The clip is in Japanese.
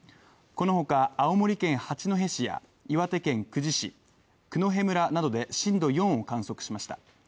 この他、青森県八戸市や岩手県久慈市、九戸村などで震度４を観測しました。